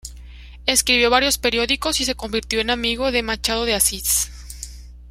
Escribió para varios periódicos y se convirtió en amigo de Machado de Assis.